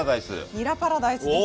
にらパラダイスです。